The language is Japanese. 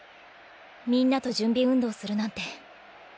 みんなと準備運動するなんて新鮮だ。